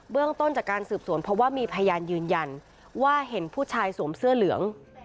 เรื่องต้นจากการสืบสวนเพราะว่ามีพยานยืนยันว่าเห็นผู้ชายสวมเสื้อเหลือง